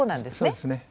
そうですね。